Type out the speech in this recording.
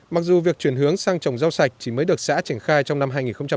mặc dù việc chuyển hướng sang trồng rau sạch chỉ mới được xã triển khai trong năm hai nghìn một mươi chín